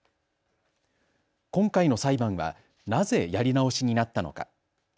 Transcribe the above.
今回の裁判は、なぜやり直しになったのか。